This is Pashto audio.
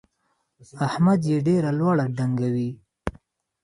احمد يې ډېره لوړه ډنګوي.